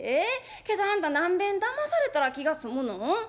けどあんた何べんだまされたら気が済むのん？